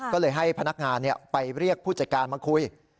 ก็เลยให้พนักงานไปเรียกผู้จัดการมาคุย